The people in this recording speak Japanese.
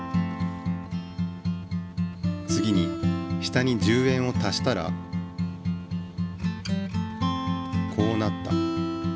次に下に１０円を足したらこうなった。